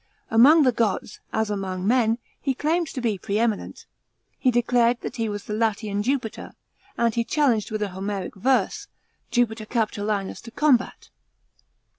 Among the gods, as amon^ men, he claimed to be pre eminent; he declared that he was the Latian Jupiter ; and he challenged, with a Homeric verse, Jupiter Capitolinus to combat.